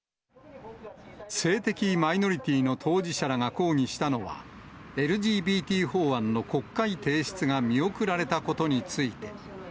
性的マイノリティーの当事者らが抗議したのは、ＬＧＢＴ法案の国会提出が見送られたことについて。